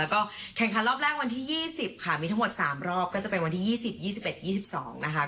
แล้วก็แข่งขันรอบแรกวันที่ยี่สิบค่ะมีทั้งหมดสามรอบก็จะเป็นวันที่ยี่สิบยี่สิบเอ็ดยี่สิบสองนะคะ